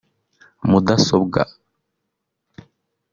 mudasobwa…)